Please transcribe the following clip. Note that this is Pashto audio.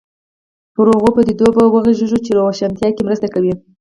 پر هغو پدیدو به وغږېږو چې روښانتیا کې مرسته کوي.